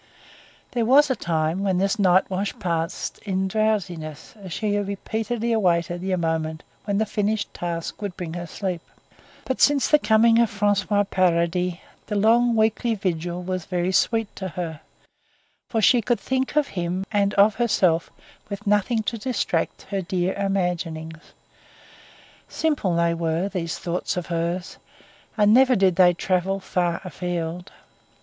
There was a time when this night watch passed in drowsiness, as she resignedly awaited the moment when the finished task would bring her sleep; but since the coming of François Paradis the long weekly vigil was very sweet to her, for she could think of him and of herself with nothing to distract her dear imaginings. Simple they were, these thoughts of hers, and never did they travel far afield.